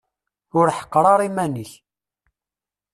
Ur ḥeqqer ara iman-ik.